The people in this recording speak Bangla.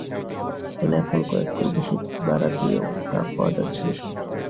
ফলে এখন কয়েক গুণ বেশি ভাড়া দিয়েও ট্রাক পাওয়া যাচ্ছে না।